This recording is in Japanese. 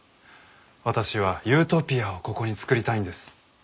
私はユートピアをここにつくりたいんです。